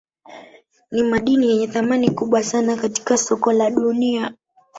Nimadini yenye thamani kubwa sana katika soko la dunia